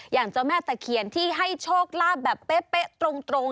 อย่างเจ้าแม่ตะเคียนที่ให้โชคลาภแบบเป๊ะตรง